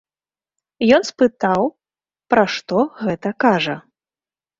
Ён спытаў, пра што гэта кажа?